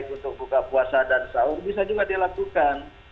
untuk buka puasa dan sahur bisa juga dilakukan